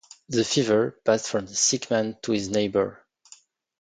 The fever passed from the sick man to his neighbor.